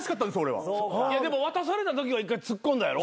いやでも渡されたときは一回ツッコんだやろ？